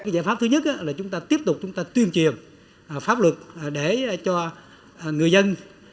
giải pháp thứ nhất là chúng ta tiếp tục tuyên truyền pháp luật để cho người dân